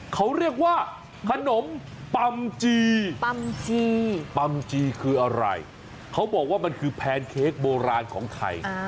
เขาเรียกว่าขนมปัมจีปัมจีคืออะไรเขาบอกว่ามันคือแพนเค้กโบราณของไทย